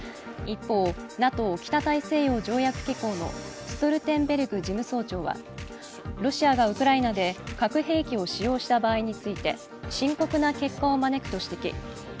一方、ＮＡＴＯ＝北大西洋条約機構のストルテンベルグ事務総長はロシアがウクライナで核兵器を使用した場合について深刻な結果を招くと指摘。